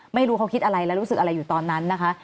ไม่รู้เขาคิดอะไรและรู้สึกอะไรอยู่ตอนนั้นนะคะ